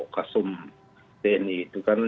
kasum tni itu kan